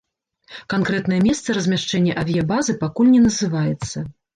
Канкрэтнае месца размяшчэння авіябазы пакуль не называецца.